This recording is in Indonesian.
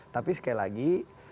tapi sekali lagi